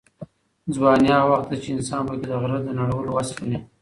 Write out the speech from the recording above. ځواني هغه وخت ده چې انسان پکې د غره د نړولو وس لري.